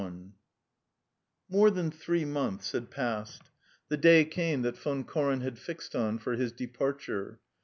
XXI More than three months had passed. The day came that Von Koren had fixed on for his departure.